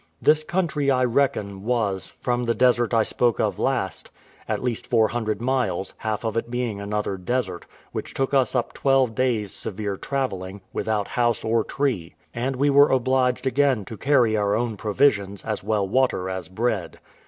This country, I reckon, was, from the desert I spoke of last, at least four hundred miles, half of it being another desert, which took us up twelve days' severe travelling, without house or tree; and we were obliged again to carry our own provisions, as well water as bread.